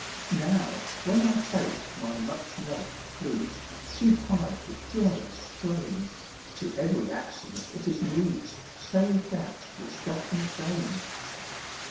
Now, when I take my much loved flute, To pipe a joyous strain, ^ To every accent it is mute, Save that which doth complain.